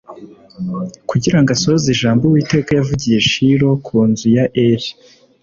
kugira ngo asohoze ijambo Uwiteka yavugiye i Shilo ku nzu ya Eli.